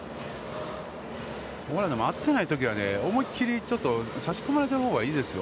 合ってないときは思い切り差し込まれているほうがいいですよ。